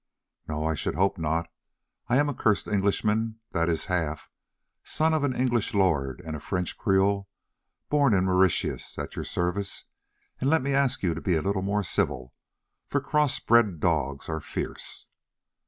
"No, I should hope not; I am a 'cursed Englishman,' that is half—son of an English lord and a French creole, born in the Mauritius at your service, and let me ask you to be a little more civil, for cross bred dogs are fierce."